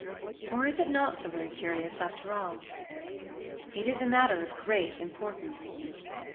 Or is it not so very curious after all? It is a matter of great importance.